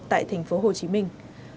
tại tp hồ chí minh